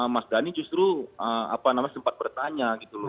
mas dhani justru sempat bertanya gitu loh